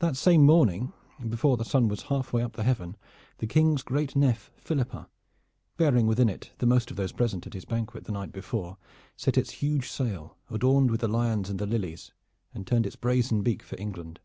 That same morning, before the sun was half way up the heaven, the King's great nef Philippa, bearing within it the most of those present at his banquet the night before, set its huge sail, adorned with the lions and the lilies, and turned its brazen beak for England.